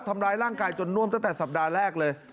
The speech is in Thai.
ทำร้ายร่างกายจนน่วมตั้งแต่สัปดาห์แรกเลย